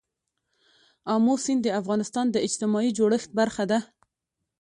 آمو سیند د افغانستان د اجتماعي جوړښت برخه ده.